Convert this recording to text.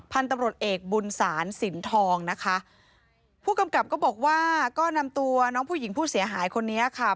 พันธุ์ตำรวจเอกบุญศาลสินทองนะคะผู้กำกับก็บอกว่าก็นำตัวน้องผู้หญิงผู้เสียหายคนนี้ค่ะ